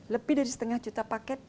lebih dari setengah juta paket